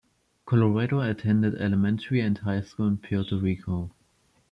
Colorado attended elementary and high school in Puerto Rico.